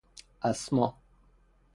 اَسما